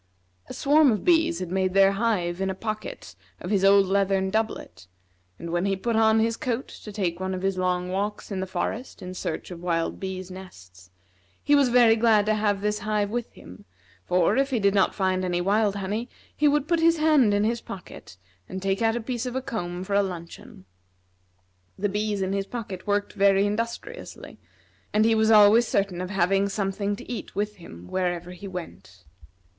A swarm of bees had made their hive in a pocket of his old leathern doublet; and when he put on this coat to take one of his long walks in the forest in search of wild bees' nests, he was very glad to have this hive with him, for, if he did not find any wild honey, he would put his hand in his pocket and take out a piece of a comb for a luncheon. The bees in his pocket worked very industriously, and he was always certain of having something to eat with him wherever he went.